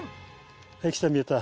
はい来た見えた。